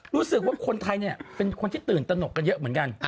รู้สึกว่าคนไทยเนี่ยเป็นคนที่ตื่นตนกกันเยอะเหมือนกัน